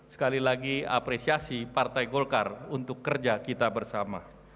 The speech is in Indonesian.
sekali lagi apresiasi partai golkar untuk kerja kita bersama